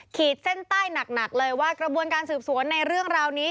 ขีดเส้นใต้หนักเลยว่ากระบวนการสืบสวนในเรื่องราวนี้